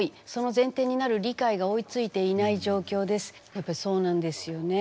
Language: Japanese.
やっぱりそうなんですよね。